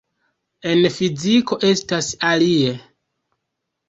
En fiziko estas alie.